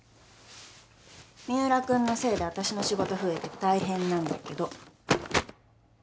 三浦君のせいで私の仕事増えて大変なんだけど。